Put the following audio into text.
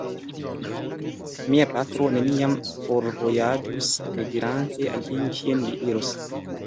Mia patro neniam forvojaĝus nedirante al iu kien li iros.